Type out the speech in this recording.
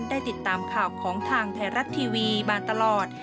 ได้ติดตามข่าวของทางไทยรัฐทีวีมาตลอด